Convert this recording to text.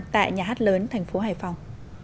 tại nhà hát lớn thành phố hải phòng